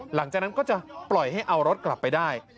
หลังจากนั้นก็จะปล่อยให้เอารถกลับไปได้